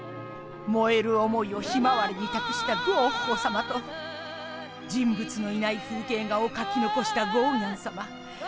もえる思いをひまわりにたくしたゴッホさまと人物のいない風景画を描きのこしたゴーギャンさま。